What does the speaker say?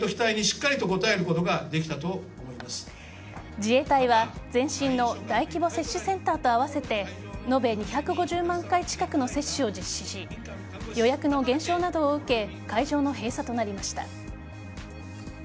自衛隊は前身の大規模接種センターと合わせて延べ２５０万回近くの接種を実施し予約の減少などを受け会場の閉鎖となりました。